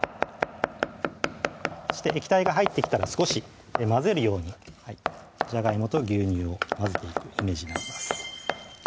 そして液体が入ってきたら少し混ぜるようにじゃがいもと牛乳を混ぜていくイメージになります